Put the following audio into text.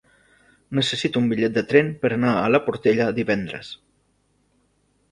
Necessito un bitllet de tren per anar a la Portella divendres.